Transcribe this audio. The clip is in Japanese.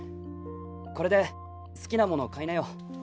これで好きなもの買いなよ。